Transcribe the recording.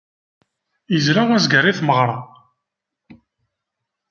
Izla azger i tmeɣra.